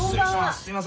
すいません。